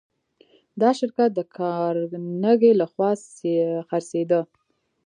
دا شرکت د کارنګي لهخوا خرڅېده